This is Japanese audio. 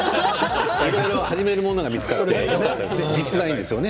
いろいろ始めるものが見つかってよかったですね。